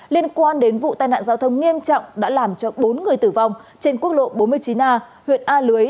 liên quan đến vụ tai nạn giao thông nghiêm trọng đã làm cho bốn người tử vong trên quốc lộ bốn mươi chín a huyện a lưới